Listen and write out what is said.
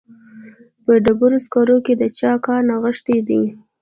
په ډبرو سکرو کې د چا کار نغښتی دی